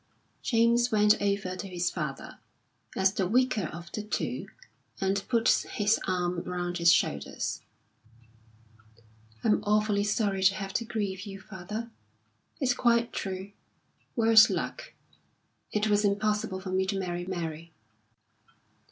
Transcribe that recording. James went over to his father, as the weaker of the two, and put his arm round his shoulders. "I'm awfully sorry to have to grieve you, father. It's quite true worse luck! It was impossible for me to marry Mary."